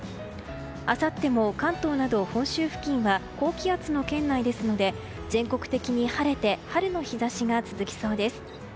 あさっても関東など本州付近は高気圧の圏内ですので全国的に晴れて春の日差しが続きそうです。